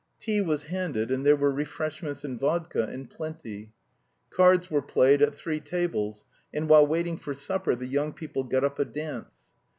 Tea was handed, and there were refreshments and vodka in plenty. Cards were played at three tables, and while waiting for supper the young people got up a dance.